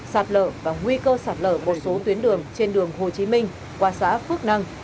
sạt lở và nguy cơ sạt lở một số tuyến đường trên đường hồ chí minh qua xã phước năng